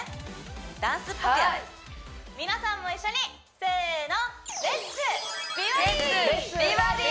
ダンスっぽくはい皆さんも一緒にせーの！